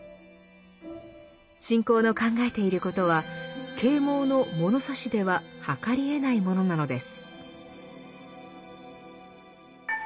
信仰の考えていることは啓蒙の物差しでは測りえないものなのです。